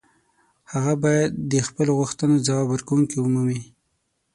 هغه باید د خپلو غوښتنو ځواب ورکوونکې ومومي.